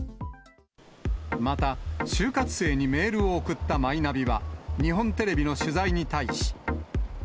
また、就活生にメールを送ったマイナビは、日本テレビの取材に対し。